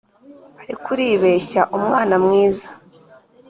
ariko uribeshya umwana mwiza